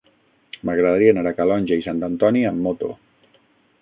M'agradaria anar a Calonge i Sant Antoni amb moto.